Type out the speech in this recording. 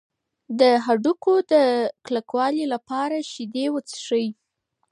د هډوکو د کلکوالي لپاره شیدې وڅښئ.